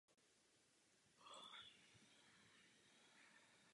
Nesplnitelné se stalo možným.